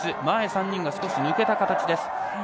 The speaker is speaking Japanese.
前３人が少し抜けた形です。